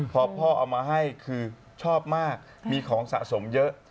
พอพ่อเอามาให้คือชอบมากมีของสะสมเยอะ